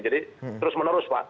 jadi terus menerus pak